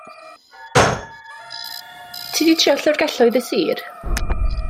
Ti 'di trio llyfrgelloedd y sir?